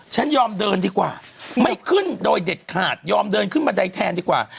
ฉันยอมเดินดีกว่าไม่ขึ้นโดยเด็ดขาดยอมเดินขึ้นบันไดแทนดีกว่า